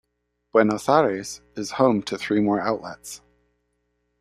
Buenos Aires is home to three more outlets.